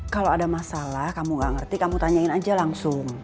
kalau ada masalah kamu gak ngerti kamu tanyain aja langsung